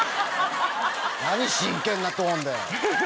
何真剣なトーンで。